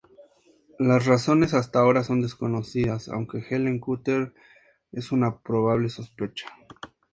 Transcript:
Las razones, hasta ahora, son desconocidas, aunque Helen Cutter es una probable sospechosa.